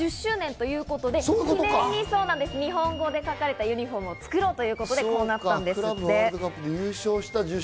そこから１０周年ということで記念に日本語で書かれたユニホームを作ろうということでこうなったんですって。